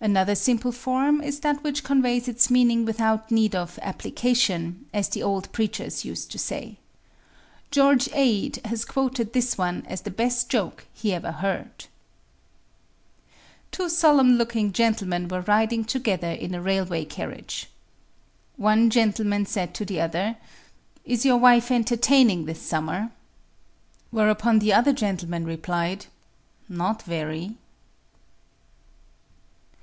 Another simple form is that which conveys its meaning without need of "application," as the old preachers used to say. George Ade has quoted this one as the best joke he ever heard: Two solemn looking gentlemen were riding together in a railway carriage. One gentleman said to the other: "Is your wife entertaining this summer?" Whereupon the other gentleman replied: "Not very."